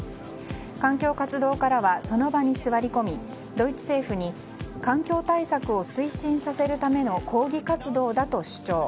環境活動家らはその場に座り込みドイツ政府に環境対策を推進させるための抗議活動だと主張。